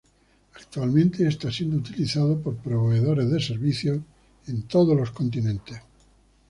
Actualmente está siendo utilizado por proveedores de servicios en todos los continentes.